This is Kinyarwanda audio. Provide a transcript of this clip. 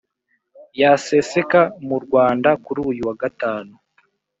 Yaseseka mu Rwanda kuruyu wa gatanu